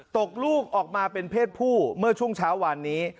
ตกลูกออกมาเป็นเพศผู้เมื่อช่วงเช้าวานนี้